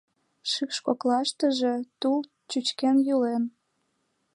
Шикш коклаштыже тул чӱчкен йӱлен.